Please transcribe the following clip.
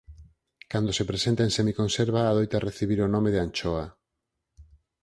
Cando se presenta en semiconserva adoita recibir o nome de anchoa.